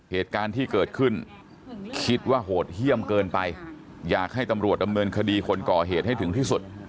เหตุการณ์ที่เกิดขึ้นคิดว่าโหดเยี่ยมเกินไปอยากให้ตำรวจดำเนินคดีคนก่อเหตุให้ถึงที่สุด